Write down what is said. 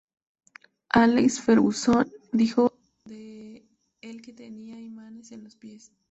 Alex Fergusson dijo de el que tenía imanes en los pies.